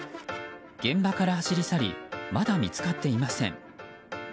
現場から走り去りまだ見つかっていません。